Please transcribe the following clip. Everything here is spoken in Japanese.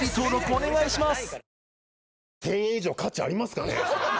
お願いします